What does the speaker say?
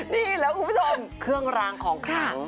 นี่แล้วผู้ชมเครื่องรากองของ